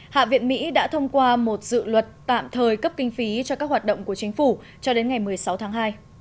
hạ viện mỹ đã thông qua một dự luật tạm thời cấp kinh phí cho các hoạt động của chính phủ cho đến ngày một mươi sáu tháng hai